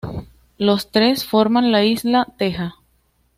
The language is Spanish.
Los tres forman la isla Teja.